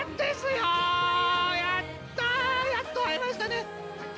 やった、やっと会えましたね。